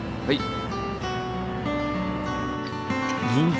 はい。